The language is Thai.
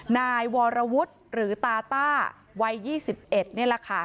นายวรวุฒิหรือตาต้าวัย๒๑นี่แหละค่ะ